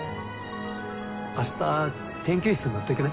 明日研究室に持って行くね。